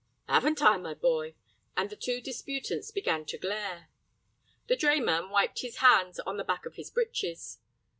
"Haven't I, my boy!" and the two disputants began to glare. The drayman wiped his hands on the back of his breeches.